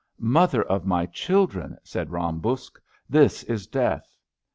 Mother of my children,'' said Ram Buksh, this is death.''